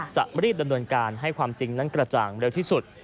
จะรีบดำเนินการให้ความจริงนั้นกระจ่างเร็วที่สุด